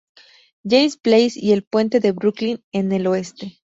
James Place y el Puente de Brooklyn en el Oeste.